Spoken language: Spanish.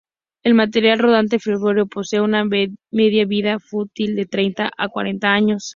El material rodante ferroviario posee una vida media útil de treinta a cuarenta años.